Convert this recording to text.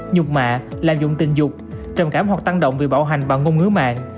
nhục mạ lạm dụng tình dục trầm cảm hoặc tăng động vì bạo hành và ngôn ngữ mạng